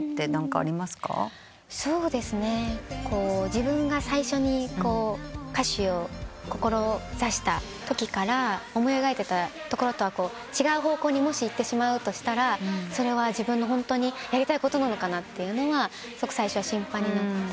自分が最初に歌手を志したときから思い描いたところとは違う方向にもしいってしまうとしたらそれは自分のホントにやりたいことなのかなとはすごく最初は心配になって。